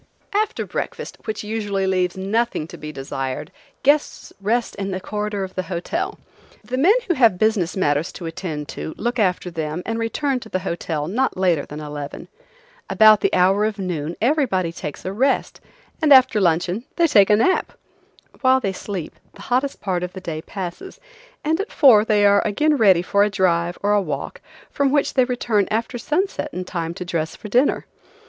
After breakfast, which usually leaves nothing to be desired, guests rest in the corridor of the hotel; the men who have business matters to attend to look after them and return to the hotel not later than eleven. About the hour of noon everybody takes a rest, and after luncheon they take a nap. While they sleep the hottest part of the day passes, and at four they are again ready for a drive or a walk, from which they return after sunset in time to dress for dinner.